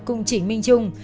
cùng trịnh minh trung